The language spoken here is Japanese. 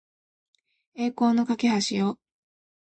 栄光の架橋を